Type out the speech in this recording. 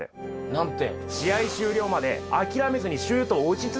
何て？